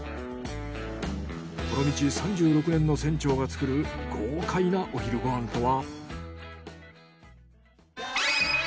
この道３６年の船長が作る豪快なお昼ご飯とは？